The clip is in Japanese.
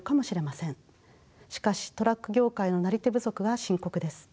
しかしトラック業界のなり手不足は深刻です。